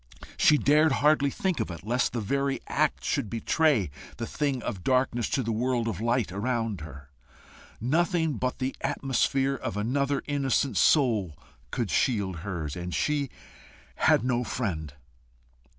She dared hardly think of it, lest the very act should betray the thing of darkness to the world of light around her. Nothing but the atmosphere of another innocent soul could shield hers, and she had no friend.